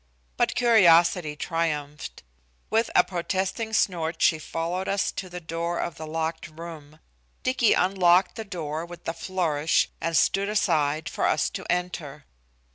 But curiosity triumphed. With a protesting snort she followed us to the door of the locked room. Dicky unlocked the door with a flourish and stood aside for us to enter.